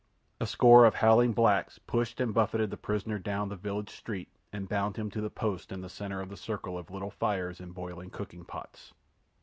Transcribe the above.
A score of howling blacks pushed and buffeted the prisoner down the village street and bound him to the post in the centre of the circle of little fires and boiling cooking pots.